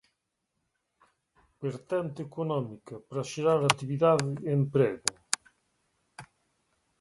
Vertente económica, para xerar actividade e emprego.